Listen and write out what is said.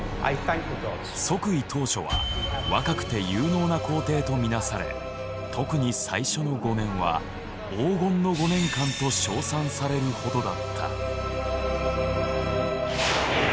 即位当初は若くて有能な皇帝と見なされ特に最初の５年は「黄金の５年間」と称賛されるほどだった。